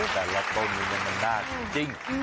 แต่ละต้นหนึ่งมันหน้าจริง